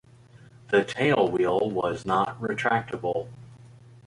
The tailwheel was not retractable.